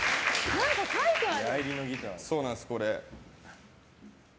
何か書いてある。